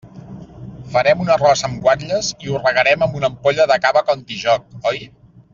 Farem un arròs amb guatlles i ho regarem amb una ampolla de cava Contijoch, oi?